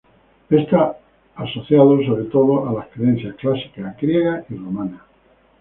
Está asociado sobre todo a las creencias clásicas griegas y romanas.